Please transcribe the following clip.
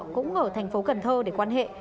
cũng ở thành phố cần thơ để quan hệ